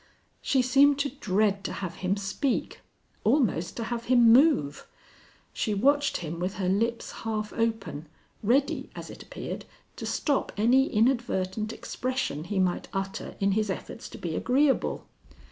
She seemed to dread to have him speak, almost to have him move. She watched him with her lips half open, ready, as it appeared, to stop any inadvertent expression he might utter in his efforts to be agreeable.